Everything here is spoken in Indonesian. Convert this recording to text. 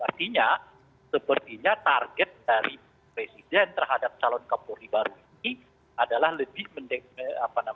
artinya sepertinya target dari presiden terhadap calon keamanan baru ini adalah lebih berorientasi terhadap keamanan dan ketertiban gitu dibandingkan dengan calon keamanan baru